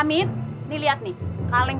customize sekarang ya